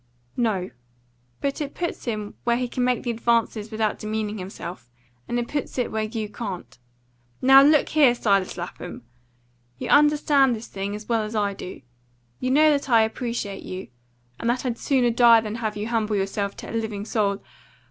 "No. But it puts him where he can make the advances without demeaning himself, and it puts you where you can't. Now, look here, Silas Lapham! You understand this thing as well as I do. You know that I appreciate you, and that I'd sooner die than have you humble yourself to a living soul.